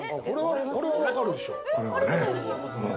これは分かるでしょ？